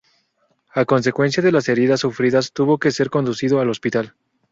A consecuencia de las heridas sufridas tuvo que ser conducido al hospital.